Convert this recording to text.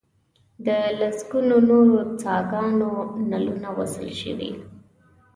د لسګونو نورو څاګانو نلونه وصل شوي.